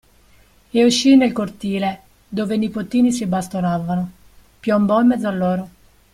E uscì nel cortile, dove i nipotini si bastonavano: piombò in mezzo a loro.